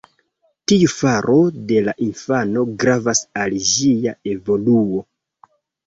Tiu faro de la infano gravas al ĝia evoluo.